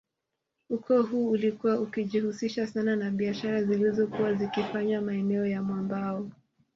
Ukoo huu ulikuwa ukijihusisha sana na biashara zilizokuwa zikifanywa maeneo ya mwambao